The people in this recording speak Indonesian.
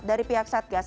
dari pihak satgas